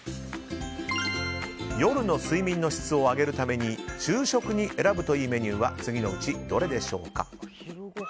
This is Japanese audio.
夜の睡眠の質を上げるために昼食に選ぶといいメニューは次のうちどれでしょうか？